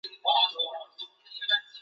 故事承接人猿星球。